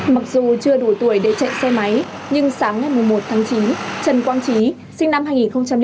mặc dù chưa đủ tuổi để chạy xe máy nhưng sáng ngày một mươi một tháng chín trần quang trí sinh năm hai nghìn bốn